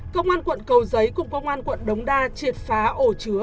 công an quận cầu giấy cùng công an quận đống đa triệt phá ổ chứa